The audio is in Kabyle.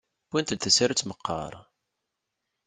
Wwint-d tasarut meqqar?